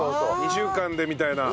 「２週間で」みたいな。